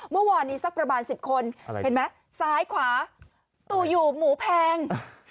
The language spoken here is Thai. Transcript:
เมื่อวานนี้สักประมาณ๑๐คนเห็นไหมซ้ายขวาตู่อยู่หมูแพง